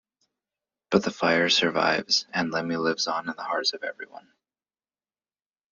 But the fire survives, and Lemmy lives on in the hearts of everyone.